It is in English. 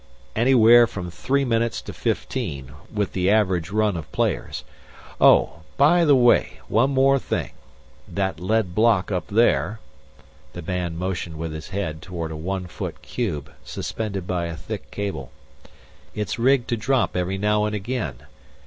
"Anywhere from three minutes to fifteen, with the average run of players. Oh, by the way, one more thing. That lead block up there " The man motioned with his head toward a one foot cube suspended by a thick cable. "It's rigged to drop every now and again.